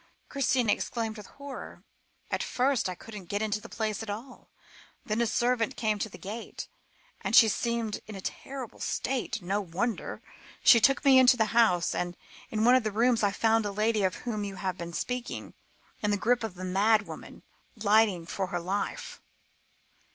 Christina exclaimed with horror. "At first, I couldn't get into the place at all. Then a servant came to the gate, and she seemed in a terrible state. No wonder! She took me into the house, and in one of the rooms I found the lady of whom you have been speaking, in the grip of a madwoman, lighting for her life.